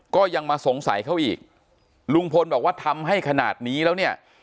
ก็ยังมาสงสัยเขาอีกลุงพลบอกว่าทำให้ขนาดนี้แล้วเนี่ย